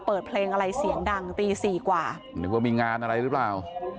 เปิดเพลงอะไรเสียงดังตีสี่กว่านึกว่ามีงานอะไรหรือเปล่า